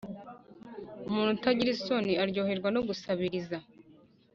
Umuntu utagira isoni aryoherwa no gusabiriza,